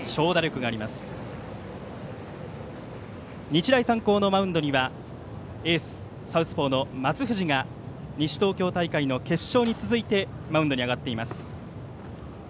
日大三高のマウンドにはエース、サウスポーの松藤が西東京大会の決勝に続いて上がっています。